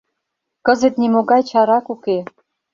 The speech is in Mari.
Кызыт нимогай чарак уке.